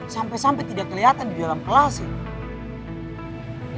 sampai sampai tidak keliatan di dalam kelas sih